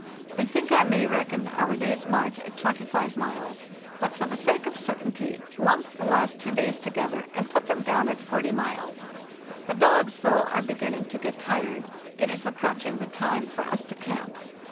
I think I may reckon our day's march at 25 mules, but, for the sake of certainty, lump the two last days together and put them down at 4o miles. The dogs, though, are beginning to get tired; it is approaching the time for us to camp.